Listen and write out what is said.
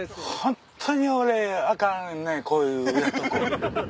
ホントに俺アカンねこういうとこ。